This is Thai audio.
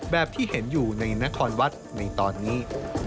แบบที่เห็นอยู่ในนครวัดในตอนนี้